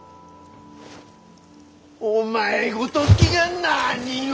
お前ごときが何を！